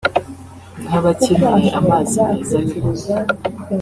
nk’abakeneye amazi meza yo kunywa